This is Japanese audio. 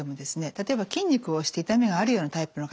例えば筋肉を押して痛みがあるようなタイプの方ですね。